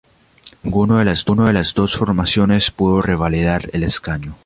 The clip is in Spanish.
Ninguno de las dos formaciones pudo revalidar el escaño.